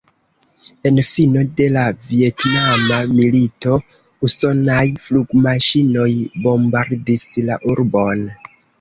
En fino de la Vjetnama milito usonaj flugmaŝinoj bombardis la urbon.